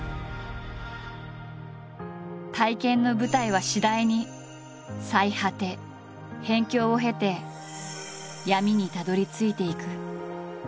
体験の舞台は次第にサイハテ辺境を経て闇にたどりついていく。